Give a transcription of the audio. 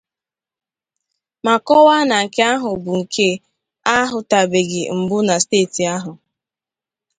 ma kọwaa na nke ahụ bụ nke a hụtàbèghị mbụ na steeti ahụ.